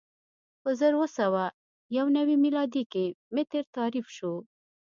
په زر اووه سوه یو نوې میلادي کې متر تعریف شو.